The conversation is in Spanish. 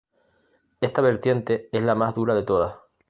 Esta vertiente es la más dura de todas.